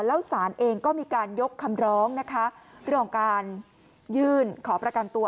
แล้วศาลเองก็มีการยกคำร้องนะคะเรื่องของการยื่นขอประกันตัว